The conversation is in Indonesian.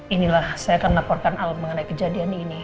inilah saya akan laporkan al mengenai kejadian ini